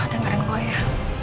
kalau dengerin gue ya